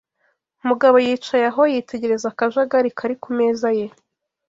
Mugabo yicaye aho, yitegereza akajagari kari ku meza ye.